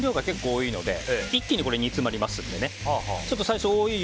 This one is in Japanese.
今日お酒の分量が結構多いので一気に煮詰まりますので。